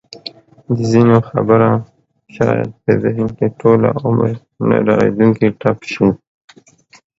د ځینو خبره شاید په ذهن کې ټوله عمر نه رغېدونکی ټپ شي.